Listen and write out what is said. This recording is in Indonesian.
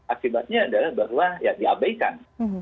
akibatnya adalah bahwa ya diabaikan